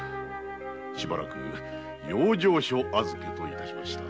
しばらく養生所預けと致しました。